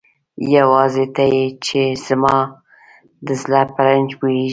یواځی ته یی چی زما د زړه په رنځ پوهیږی